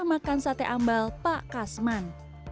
di rumah makan sate ambal pak kasman